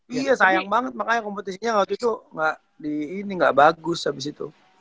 iya sayang banget makanya kompetisinya waktu itu gak di ini gak bagus abis itu